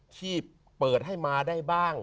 ที่เปิดให้มาได้บ้าง